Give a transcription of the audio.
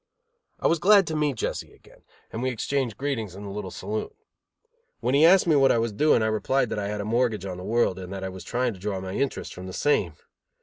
I was glad to meet Jesse again, and we exchanged greetings in the little saloon. When he asked me what I was doing, I replied that I had a mortgage on the world and that I was trying to draw my interest from the same.